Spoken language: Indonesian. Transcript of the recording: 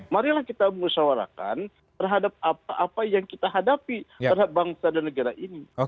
marilah kita musyawarakan terhadap apa apa yang kita hadapi terhadap bangsa dan negara ini